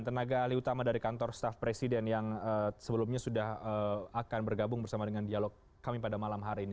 tenaga ahli utama dari kantor staff presiden yang sebelumnya sudah akan bergabung bersama dengan dialog kami pada malam hari ini